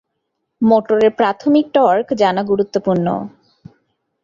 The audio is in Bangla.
মোটরের প্রাথমিক টর্ক জানা গুরুত্বপূর্ণ।